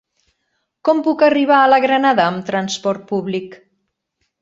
Com puc arribar a la Granada amb trasport públic?